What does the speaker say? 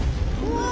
うわ！